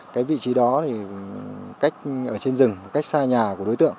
cái vị trí đó thì cách ở trên rừng cách xa nhà của đối tượng